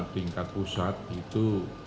tingkat pusat itu